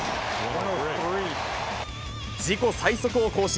自己最速を更新。